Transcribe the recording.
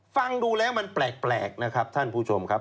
ฟังดูแล้วมันแปลกนะครับท่านผู้ชมครับ